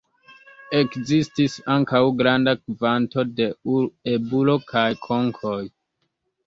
Ekzistis ankaŭ granda kvanto de eburo kaj konkoj.